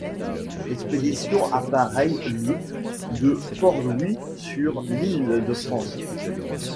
L'expédition appareille le de Port-Louis sur l'île de France.